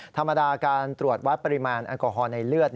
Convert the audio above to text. ธรรมดาการตรวจวัดปริมาณแอลกอฮอล์ในเลือด